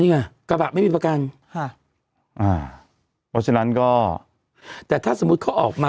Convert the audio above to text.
นี่ไงกระบะไม่มีประกันค่ะอ่าเพราะฉะนั้นก็แต่ถ้าสมมุติเขาออกมา